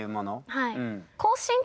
はい。